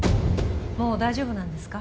もう大丈夫なんですか？